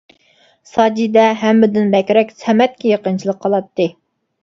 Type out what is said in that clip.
ساجىدە ھەممىدىن بەكرەك سەمەتكە يېقىنچىلىق قىلاتتى.